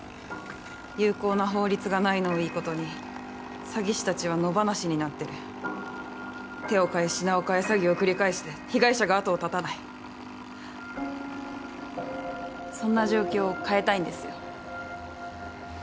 有効な法律がないのをいいことに詐欺師達は野放しになってる手を替え品を替え詐欺を繰り返して被害者が後を絶たないそんな状況を変えたいんですよ